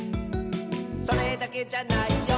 「それだけじゃないよ」